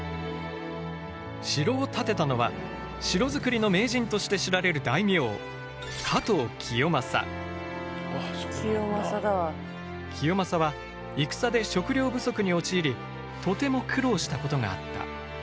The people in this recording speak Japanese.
城を建てたのは城づくりの名人として知られる大名清正は戦で食料不足に陥りとても苦労したことがあった。